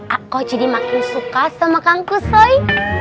aku jadi makin suka sama kang kusoy